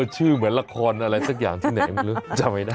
ชื่อเหมือนละครอะไรสักอย่างที่ไหนไม่รู้จำไม่ได้